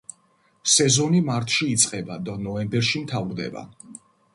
სეზონი მარტში იწყება და ნოემბერში მთავრდება.